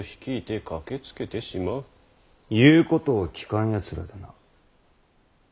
言うことを聞かんやつらでな。